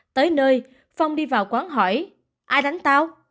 tới nơi phong đi vào quán hỏi ai đánh tao